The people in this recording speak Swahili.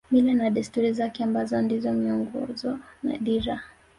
Mila na desturi zake ambazo ndizo miongozo na dira